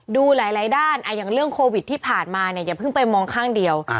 ดูหลายด้านอย่างเรื่องโควิดที่ผ่านมาเนี่ยอย่าเพิ่งไปมองข้างเดียว